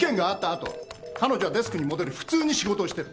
あと彼女はデスクに戻り普通に仕事をしてる。